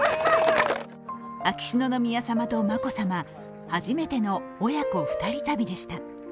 秋篠宮さまと眞子さま、初めての親子２人旅でした。